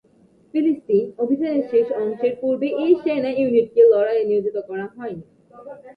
ফিলিস্তিন অভিযানের শেষ অংশের পূর্বে এই সেনা ইউনিটকে লড়াইয়ে নিয়োজিত করা হয়নি।